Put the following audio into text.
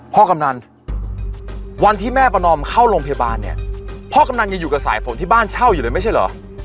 กำนันวันที่แม่ประนอมเข้าโรงพยาบาลเนี่ยพ่อกำนันยังอยู่กับสายฝนที่บ้านเช่าอยู่เลยไม่ใช่เหรอ